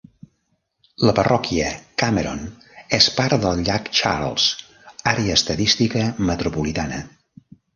La parròquia Cameron és part del Llac Charles, àrea estadística metropolitana.